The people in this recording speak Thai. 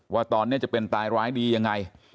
ว่าตอนนี้จะเป็นตายร้ายดียังไง